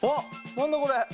何だこれ！